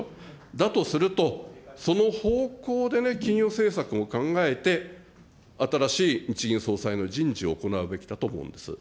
だとすると、その方向でね、金融政策を考えて、新しい日銀総裁の人事を行うべきだと思うんです。